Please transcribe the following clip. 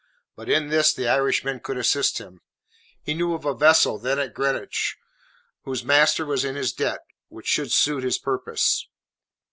But in this the Irishman could assist him. He knew of a vessel then at Greenwich, whose master was in his debt, which should suit the purpose.